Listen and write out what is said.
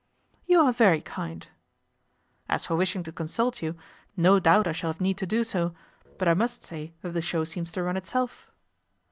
'You are very kind.' 'As for wishing to consult you, no doubt I shall have need to do so, but I must say that the show seems to run itself.